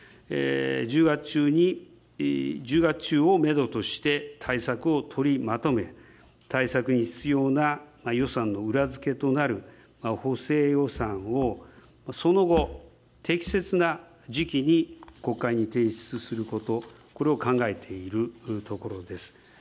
１０月中に、１０月中をメドとして、対策を取りまとめ、対策に必要な予算の裏付けとなる補正予算をその後、適切な時期に国会に提出すること、これを考えているところです。